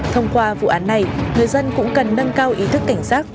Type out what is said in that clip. thông qua vụ án này người dân cũng cần nâng cao ý thức cảnh giác